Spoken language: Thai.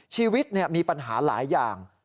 ชีวิตมีปัญหาหลายอย่าง